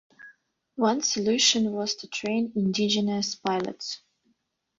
One solution was to train indigenous pilots.